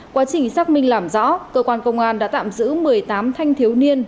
quá trình xác minh làm rõ cơ quan công an đã tạm giữ một mươi tám thanh thiếu niên